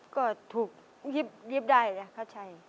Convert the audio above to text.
ก็ถูกหยิบได้นะครับ